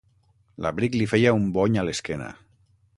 L'abric li feia un bony a l'esquena.